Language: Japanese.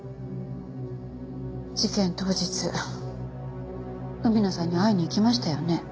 事件当日海野さんに会いに行きましたよね？